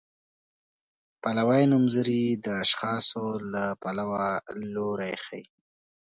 پلوي نومځري د اشخاصو له پلوه لوری ښيي.